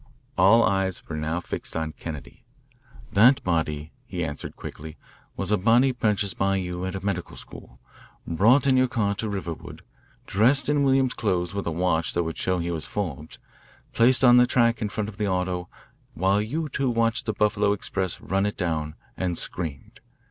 All eyes were now fixed on Kennedy. "That body," he answered quickly, "was a body purchased by you at a medical school, brought in your car to Riverwood, dressed in Williams's clothes with a watch that would show he was Forbes, placed on the track in front of the auto, while you two watched the Buffalo express run it down, and screamed.